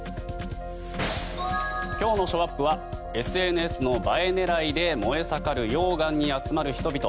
今日のショーアップはＳＮＳの映え狙いで燃え盛る溶岩に集まる人々。